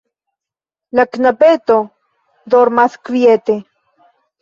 La knabeto dormas kviete.